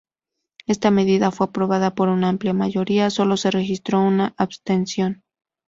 Esta medida fue aprobada por una amplia mayoría: solo se registró una abstención.